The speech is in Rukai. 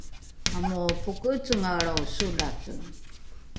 amopoke’ecengaelrao solate